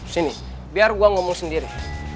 sini biar gue ngomong sendiri